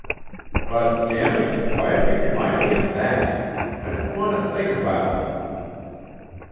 But, damn it, why did you remind me of that? I didn't want to think about it.'